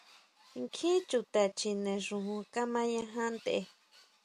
Kjín chuta chjine xojon kamañaja ntʼe.